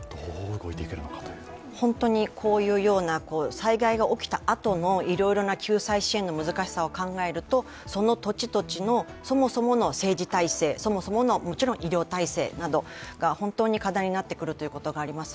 本当にこういうような災害が起きたあとのいろいろな救済支援の難しさを考えるとその土地土地のそもそもの政治体制、そもそもの医療体制が本当に課題になってくるということがあります。